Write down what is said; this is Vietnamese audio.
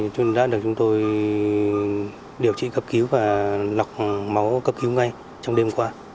chúng ta đã được điều trị cấp cứu và lọc máu cấp cứu ngay trong đêm qua